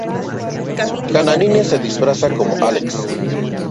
Janine se disfraza como Alex.